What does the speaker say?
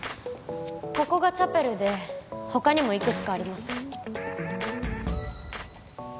ここがチャペルで他にもいくつかあります